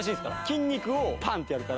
筋肉をパンッ！ってやるから。